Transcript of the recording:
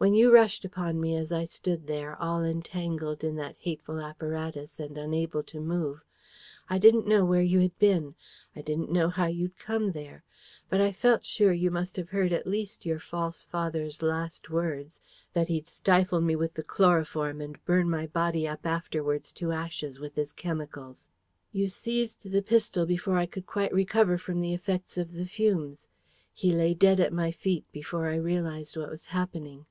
When you rushed upon me as I stood there, all entangled in that hateful apparatus, and unable to move, I didn't know where you had been; I didn't know how you'd come there. But I felt sure you must have heard at least your false father's last words that he'd stifle me with the chloroform and burn my body up afterwards to ashes with his chemicals. You seized the pistol before I could quite recover from the effects of the fumes. He lay dead at my feet before I realised what was happening.